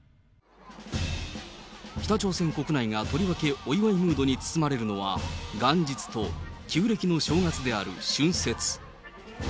北朝鮮国内が、とりわけお祝いムードに包まれるのは、元日と旧暦の正月である春節。